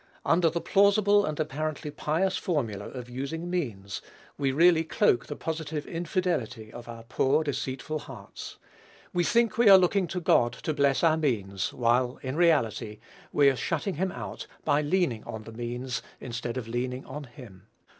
Under the plausible and apparently pious formula of using means, we really cloak the positive infidelity of our poor deceitful hearts; we think we are looking to God to bless our means, while, in reality, we are shutting him out by leaning on the means, instead of leaning on him.